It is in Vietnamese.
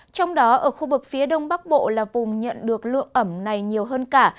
trong đó ở khu vực phía đông bắc bộ là vùng nhận được lượng ẩm này nhiều hơn cả